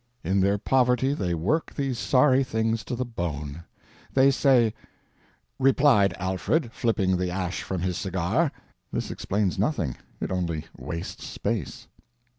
In their poverty they work these sorry things to the bone. They say: "... replied Alfred, flipping the ash from his cigar." (This explains nothing; it only wastes space.)